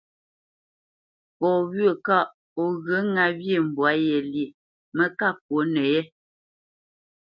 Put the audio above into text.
Fɔ wyə̂ kaʼ o ghyə ŋâ wyê mbwǎ yé lyê mə́ ká ŋkwǒ nəyé.